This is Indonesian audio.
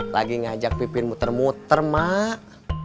lagi ngajak pipin muter muter mak